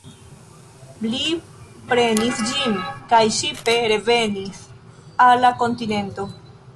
Li prenis ĝin, kaj ŝipe revenis al la kontinento.